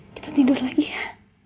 kita tidur lagi ya